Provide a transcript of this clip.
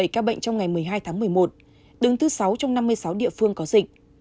năm trăm một mươi bảy ca bệnh trong ngày một mươi hai tháng một mươi một đứng thứ sáu trong năm mươi sáu địa phương có dịch